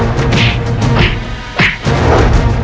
keselamatan keluarga aku